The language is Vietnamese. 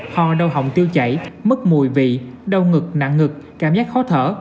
ho đau hỏng tiêu chảy mất mùi vị đau ngực nặng ngực cảm giác khó thở